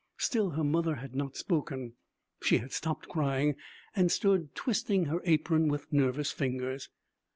Still her mother had not spoken. She had stopped crying and stood twisting her apron with nervous fingers.